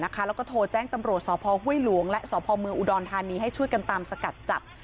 แล้วก็โทรแจ้งตำรวจสพห้วยหลวงและสพเมืองอุดรธานีให้ช่วยกันตามสกัดจับ